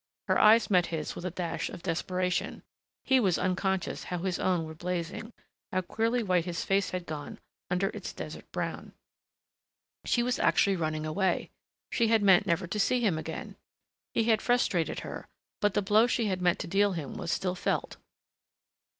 Her eyes met his with a dash of desperation.... He was unconscious how his own were blazing ... how queerly white his face had gone under its desert brown. She was actually running away. She had meant never to see him again. He had frustrated her, but the blow she had meant to deal him was still felt.